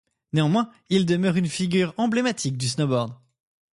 Néanmoins, il demeure une figure emblématique du snowboard.